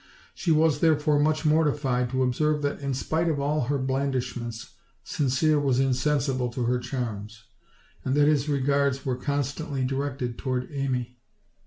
She was therefore much mortified to observe that, in spite of all her blandishments, Sincere was insensible to her charms, and that his regards were constantly directed toward Amy.